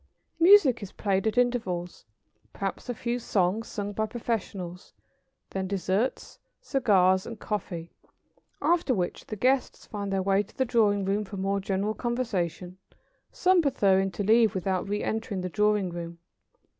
Music is played at intervals, perhaps a few songs sung by professionals, then dessert, cigars, and coffee, after which the guests find their way to the drawing room for more general conversation, some preferring to leave without re entering the drawing room.